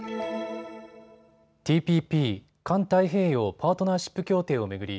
ＴＰＰ・環太平洋パートナーシップ協定を巡り